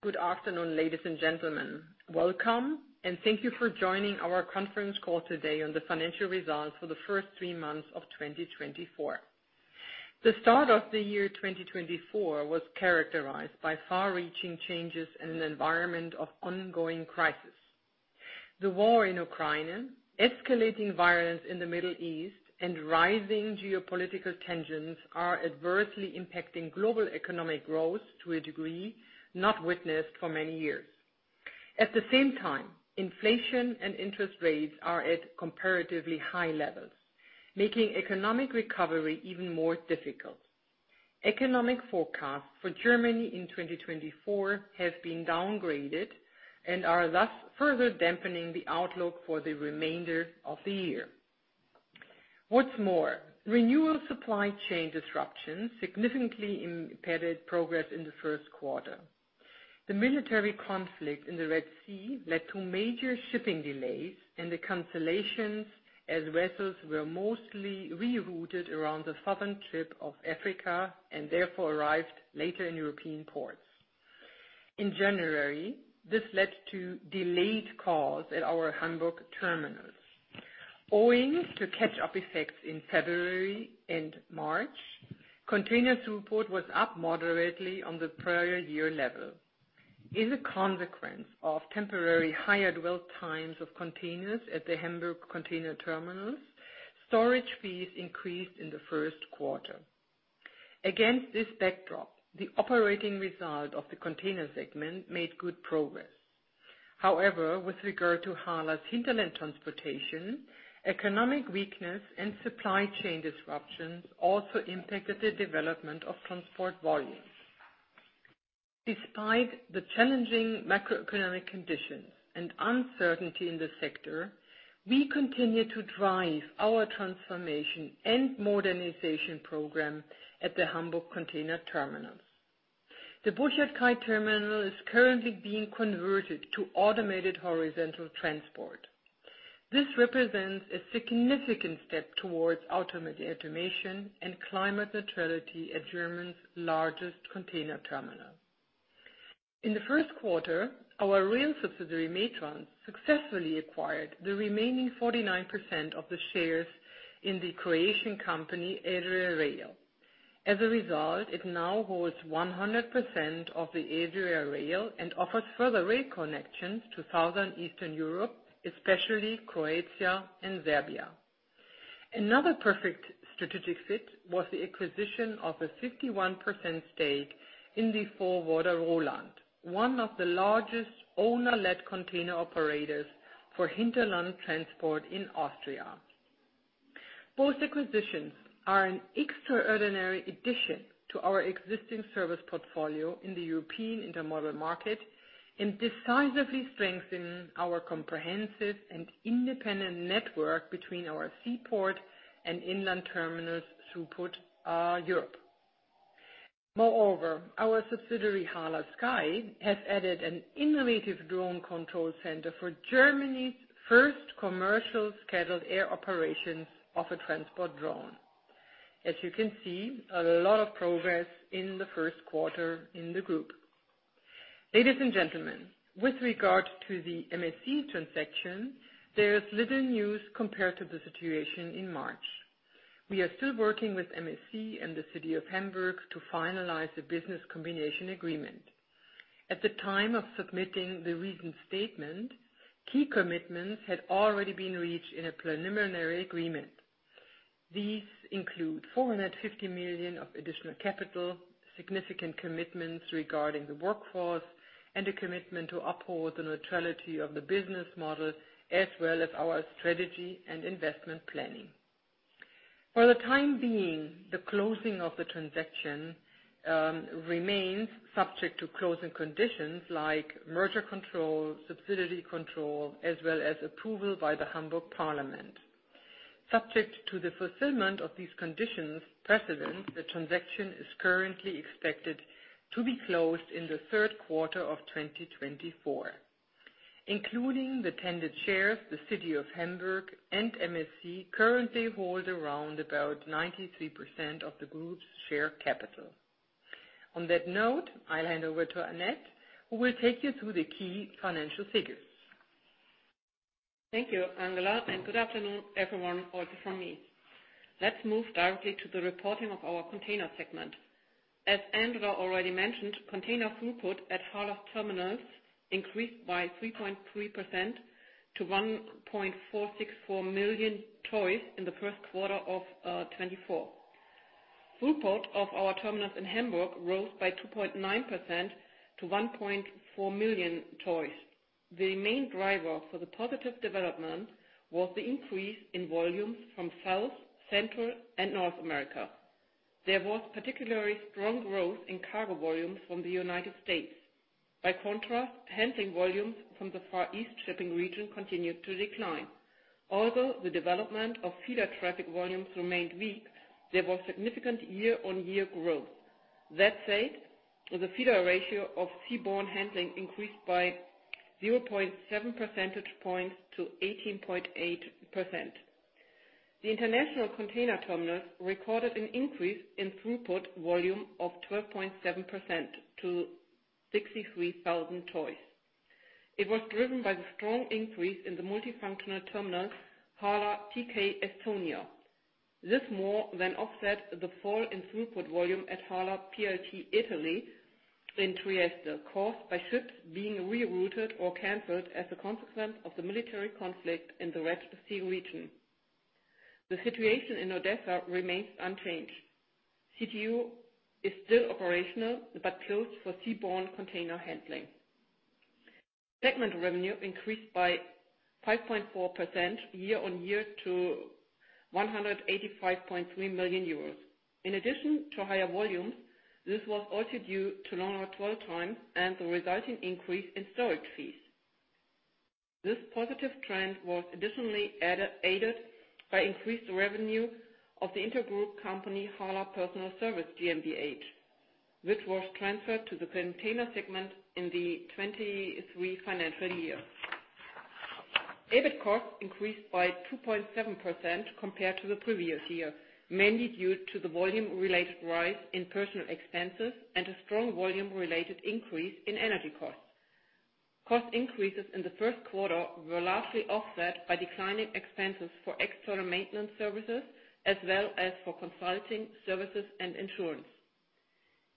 Good afternoon, ladies and gentlemen. Welcome, and thank you for joining our conference call today on the financial results for the first three months of 2024. The start of the year 2024 was characterized by far-reaching changes in an environment of ongoing crisis. The war in Ukraine, escalating violence in the Middle East, and rising geopolitical tensions are adversely impacting global economic growth to a degree not witnessed for many years. At the same time, inflation and interest rates are at comparatively high levels, making economic recovery even more difficult. Economic forecasts for Germany in 2024 have been downgraded and are thus further dampening the outlook for the remainder of the year. What's more, renewed supply chain disruptions significantly impeded progress in the first quarter. The military conflict in the Red Sea led to major shipping delays and the cancellations as vessels were mostly rerouted around the southern tip of Africa and therefore arrived later in European ports. In January, this led to delayed calls at our Hamburg terminals. Owing to catch-up effects in February and March, container throughput was up moderately on the prior year level. As a consequence of temporary higher dwell times of containers at the Hamburg container terminals, storage fees increased in the first quarter. Against this backdrop, the operating result of the container segment made good progress. However, with regard to HHLA's hinterland transportation, economic weakness and supply chain disruptions also impacted the development of transport volumes. Despite the challenging macroeconomic conditions and uncertainty in the sector, we continue to drive our transformation and modernization program at the Hamburg container terminals. The Burchardkai terminal is currently being converted to automated horizontal transport. This represents a significant step towards ultimate automation and climate neutrality at Germany's largest container terminal. In the first quarter, our rail subsidiary, Metrans, successfully acquired the remaining 49% of the shares in the Croatian company, Adria Rail. As a result, it now holds 100% of the Adria Rail and offers further rail connections to Southern Eastern Europe, especially Croatia and Serbia. Another perfect strategic fit was the acquisition of a 51% stake in the forwarder Roland, one of the largest owner-led container operators for hinterland transport in Austria. Both acquisitions are an extraordinary addition to our existing service portfolio in the European intermodal market and decisively strengthen our comprehensive and independent network between our seaport and inland terminals throughout Europe. Moreover, our subsidiary, HHLA Sky, has added an innovative drone control center for Germany's first commercial scheduled air operations of a transport drone. As you can see, a lot of progress in the first quarter in the group. Ladies and gentlemen, with regard to the MSC transaction, there is little news compared to the situation in March. We are still working with MSC and the City of Hamburg to finalize a business combination agreement. At the time of submitting the recent statement, key commitments had already been reached in a preliminary agreement. These include 450 million of additional capital, significant commitments regarding the workforce, and a commitment to uphold the neutrality of the business model, as well as our strategy and investment planning. For the time being, the closing of the transaction remains subject to closing conditions like merger control, subsidy control, as well as approval by the Hamburg Parliament. Subject to the fulfillment of these conditions precedent, the transaction is currently expected to be closed in the third quarter of 2024. Including the tendered shares, the City of Hamburg and MSC currently hold around about 93% of the group's share capital. On that note, I'll hand over to Annette, who will take you through the key financial figures. Thank you, Angela, and good afternoon, everyone, also from me. Let's move directly to the reporting of our container segment. As Angela already mentioned, container throughput at HHLA terminals increased by 3.3% to 1.464 million TEUs in the first quarter of 2024. Throughput of our terminals in Hamburg rose by 2.9% to 1.4 million TEUs. The main driver for the positive development was the increase in volumes from South, Central, and North America. There was particularly strong growth in cargo volumes from the United States. By contrast, handling volumes from the Far East shipping region continued to decline. Although the development of feeder traffic volumes remained weak, there was significant year-on-year growth. That said, the feeder ratio of seaborne handling increased by 0.7 percentage points to 18.8%. The international container terminal recorded an increase in throughput volume of 12.7% to 63,000 TEU. It was driven by the strong increase in the multifunctional terminal, HHLA TK Estonia. This more than offset the fall in throughput volume at HHLA PLT Italy in Trieste, caused by ships being rerouted or canceled as a consequence of the military conflict in the Red Sea region. The situation in Odessa remains unchanged. CTO is still operational, but closed for seaborne container handling. Segment revenue increased by 5.4% year-on-year to 185.3 million euros. In addition to higher volumes, this was also due to longer dwell time and the resulting increase in storage fees. This positive trend was additionally aided by increased revenue of the intergroup company, HHLA Personal Service GmbH, which was transferred to the container segment in the 2023 financial year. EBIT costs increased by 2.7% compared to the previous year, mainly due to the volume-related rise in personal expenses and a strong volume-related increase in energy costs. Cost increases in the first quarter were largely offset by declining expenses for external maintenance services, as well as for consulting services and insurance.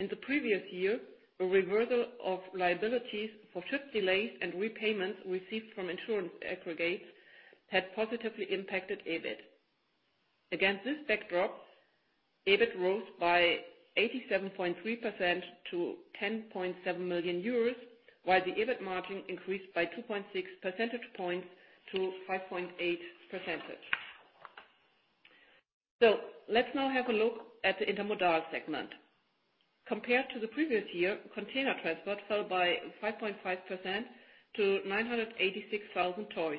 In the previous year, a reversal of liabilities for ship delays and repayments received from insurance aggregates had positively impacted EBIT. Against this backdrop, EBIT rose by 87.3% to 10.7 million euros, while the EBIT margin increased by 2.6 percentage points to 5.8%. So let's now have a look at the Intermodal segment. Compared to the previous year, container transport fell by 5.5% to 986,000 TEU.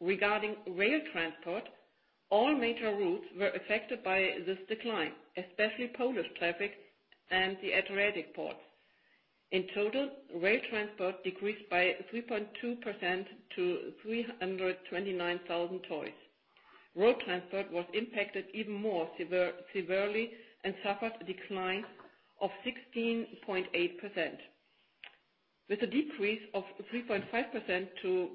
Regarding rail transport, all major routes were affected by this decline, especially Polish traffic and the Adriatic ports. In total, rail transport decreased by 3.2% to 329,000 TEU. Road transport was impacted even more severely and suffered a decline of 16.8%. With a decrease of 3.5% to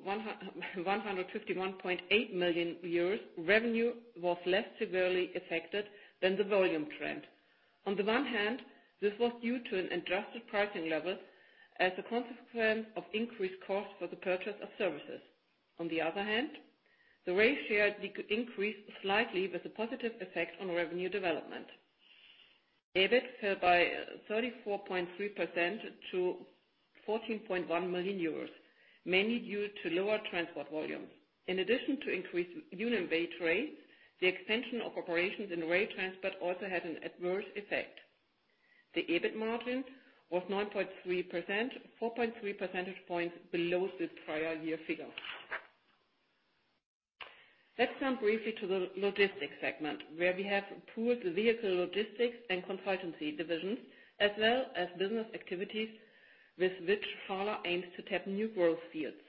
151.8 million euros, revenue was less severely affected than the volume trend. On the one hand, this was due to an adjusted pricing level as a consequence of increased costs for the purchase of services. On the other hand, the rail share increased slightly, with a positive effect on revenue development. EBIT fell by 34.3% to 14.1 million euros, mainly due to lower transport volumes. In addition to increased union wage rates, the extension of operations in rail transport also had an adverse effect. The EBIT margin was 9.3%, 4.3 percentage points below the prior year figure. Let's turn briefly to the logistics segment, where we have pooled the vehicle logistics and consultancy divisions, as well as business activities with which HHLA aims to tap new growth fields.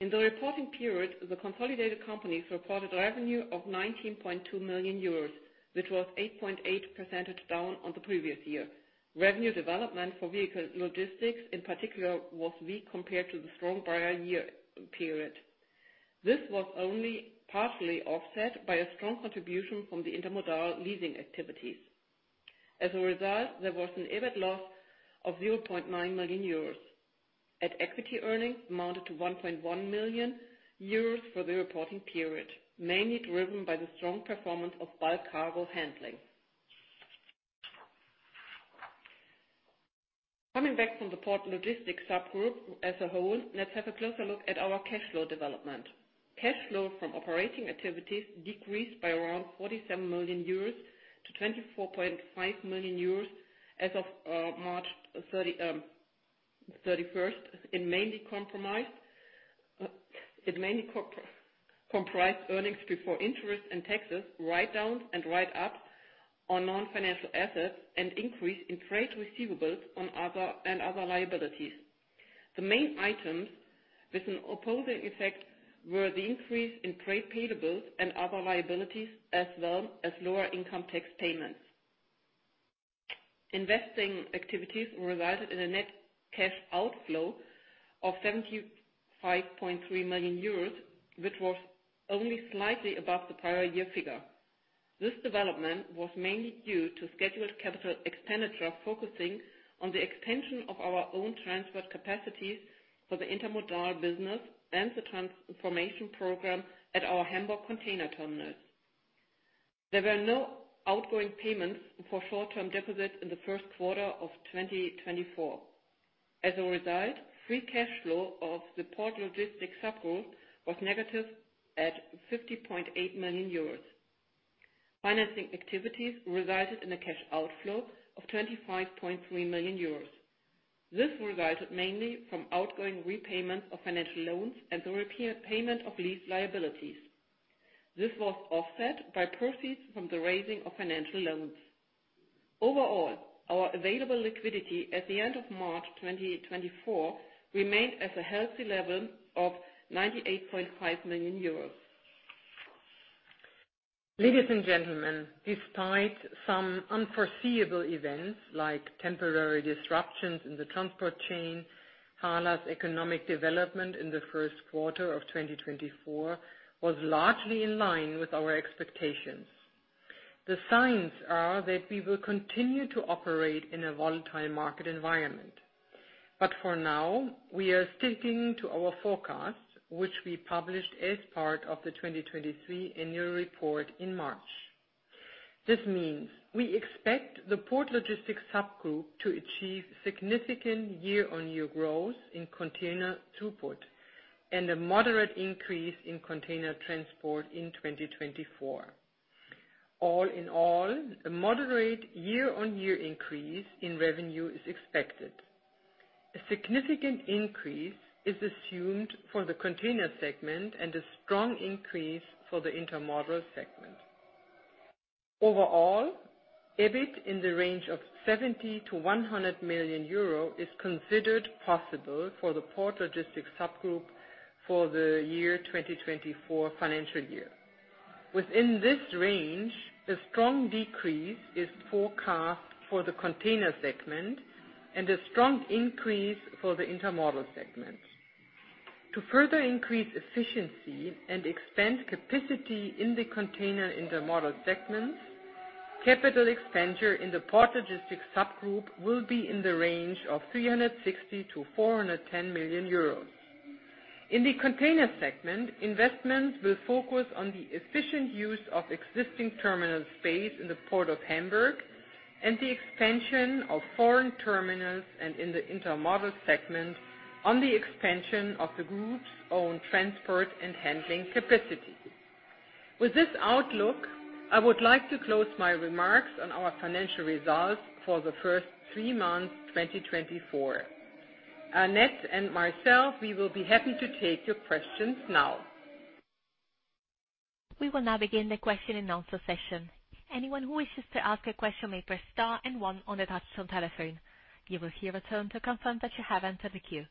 In the reporting period, the consolidated companies reported revenue of 19.2 million euros, which was 8.8% down on the previous year. Revenue development for vehicle logistics, in particular, was weak compared to the strong prior year period. This was only partially offset by a strong contribution from the intermodal leasing activities. As a result, there was an EBIT loss of 0.9 million euros, and equity earnings amounted to 1.1 million euros for the reporting period, mainly driven by the strong performance of bulk cargo handling. Coming back from the Port Logistics subgroup as a whole, let's have a closer look at our cash flow development. Cash flow from operating activities decreased by around 47 million euros to 24.5 million euros as of March 31. It mainly comprised earnings before interest and taxes, write-downs and write-ups on non-financial assets, and increase in trade receivables and other liabilities. The main items with an opposing effect were the increase in trade payables and other liabilities, as well as lower income tax payments. Investing activities resulted in a net cash outflow of 75.3 million euros, which was only slightly above the prior year figure. This development was mainly due to scheduled capital expenditure, focusing on the extension of our own transport capacities for the intermodal business and the transformation program at our Hamburg container terminals. There were no outgoing payments for short-term deposits in the first quarter of 2024. As a result, free cash flow of the Port Logistics subgroup was negative at 50.8 million euros. Financing activities resulted in a cash outflow of 25.3 million euros. This resulted mainly from outgoing repayments of financial loans and the repayment of lease liabilities. This was offset by proceeds from the raising of financial loans.... Overall, our available liquidity at the end of March 2024 remained at a healthy level of 98.5 million euros. Ladies and gentlemen, despite some unforeseeable events like temporary disruptions in the transport chain, HHLA's economic development in the first quarter of 2024 was largely in line with our expectations. The signs are that we will continue to operate in a volatile market environment, but for now, we are sticking to our forecast, which we published as part of the 2023 annual report in March. This means we expect the port logistics subgroup to achieve significant year-on-year growth in container throughput and a moderate increase in container transport in 2024. All in all, a moderate year-on-year increase in revenue is expected. A significant increase is assumed for the container segment and a strong increase for the intermodal segment. Overall, EBIT in the range of 70 million-100 million euro is considered possible for the port logistics subgroup for the year 2024 financial year. Within this range, a strong decrease is forecast for the container segment and a strong increase for the intermodal segment. To further increase efficiency and expand capacity in the container intermodal segments, capital expenditure in the port logistics subgroup will be in the range of 360 million-410 million euros. In the container segment, investments will focus on the efficient use of existing terminal space in the port of Hamburg and the expansion of foreign terminals, and in the intermodal segment, on the expansion of the group's own transport and handling capacity. With this outlook, I would like to close my remarks on our financial results for the first three months, 2024. Annette and myself, we will be happy to take your questions now. We will now begin the question and answer session. Anyone who wishes to ask a question may press star and one on the touch tone telephone. You will hear a tone to confirm that you have entered the queue.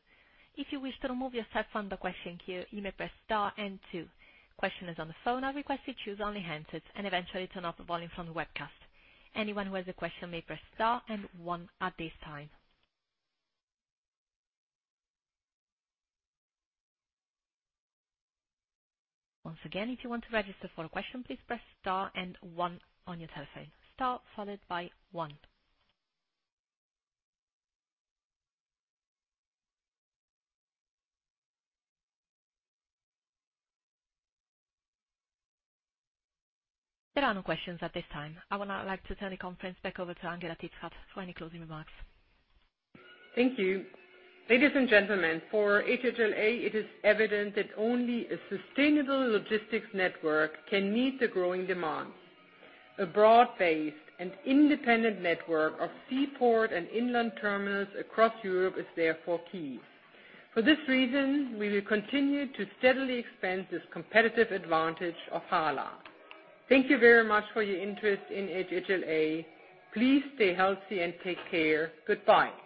If you wish to remove yourself from the question queue, you may press star and two. Questioners on the phone are requested to use only handsets and eventually turn off the volume from the webcast. Anyone who has a question may press star and one at this time. Once again, if you want to register for a question, please press star and one on your telephone. Star followed by one. There are no questions at this time. I would now like to turn the conference back over to Angela Titzrath for any closing remarks. Thank you. Ladies and gentlemen, for HHLA, it is evident that only a sustainable logistics network can meet the growing demand. A broad-based and independent network of seaport and inland terminals across Europe is therefore key. For this reason, we will continue to steadily expand this competitive advantage of HHLA. Thank you very much for your interest in HHLA. Please stay healthy and take care. Goodbye.